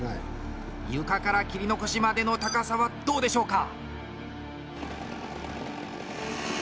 床から切り残しまでの高さはどうでしょうか？